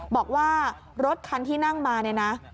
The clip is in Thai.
บอกว่ารถคันที่นั่งมาเนี่ยนะ